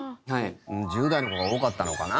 １０代の子が多かったのかな？